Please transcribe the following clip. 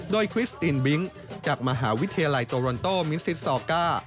โดยคริสตินบิ๊งจากมหาวิทยาลัยโตรันโตมิซิสซอก้า